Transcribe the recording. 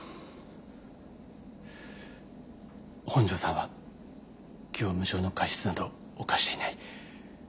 本庄さんは業務上の過失など犯していない。